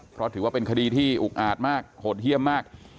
เพราะถือว่าเป็นคดีที่อุกอาจมากโหดเยี่ยมมาก